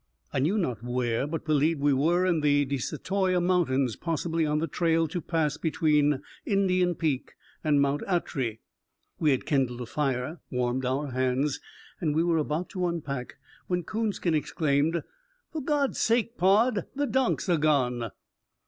I knew not where, but believed we were in the De Satoyta Mountains, possibly on the trail to pass between Indian Peak and Mt. Atry. We had kindled a fire, warmed our hands, and were about to unpack when Coonskin exclaimed, "For God's sake! Pod, the donks are gone!"